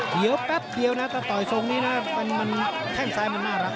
เดี๋ยวแป๊บเดียวนะถ้าต่อยทรงนี้นะมันแข้งซ้ายมันน่ารัก